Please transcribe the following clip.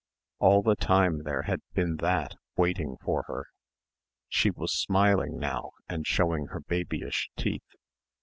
All the time there had been that waiting for her. She was smiling now and showing her babyish teeth.